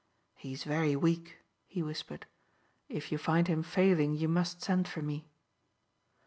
"He is very weak," he whispered. "If you find him failing you must send for me."